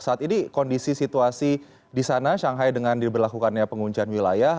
saat ini kondisi situasi di sana shanghai dengan diberlakukannya penguncian wilayah